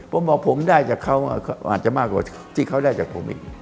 ผมบอกผมได้จากเขาอาจจะมากกว่าที่เขาได้จากผมอีก